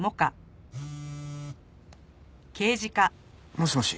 もしもし。